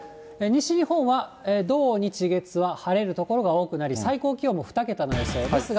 西日本は、土、日、月は晴れる所が多くなり、最高気温も２桁になりそう。